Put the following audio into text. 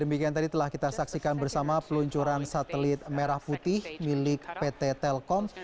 demikian tadi telah kita saksikan bersama peluncuran satelit merah putih milik pt telkom